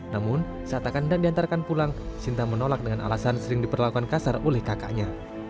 namun saat akan dan diantarkan pulang sinta menolak dengan alasan sering diperlakukan kasar oleh kakaknya